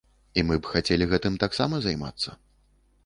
І мы б хацелі гэтым таксама займацца.